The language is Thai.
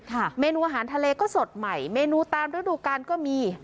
เมนูอาหารทะเลก็สดใหม่เมนูตามฤดูกาลก็มี